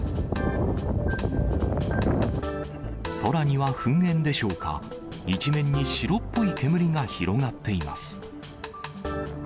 空には噴煙でしょうか、一面に白っぽい煙が広がっています。